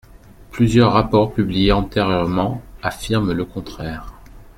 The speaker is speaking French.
Plusieurs rapports publiés antérieurement affirment le contraire.